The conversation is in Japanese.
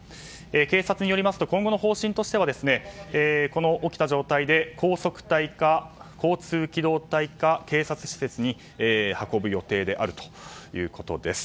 警察によりますと今後の方針としてはこの起きた状態で高速隊か交通機動隊か警察施設に運ぶ予定であるということです。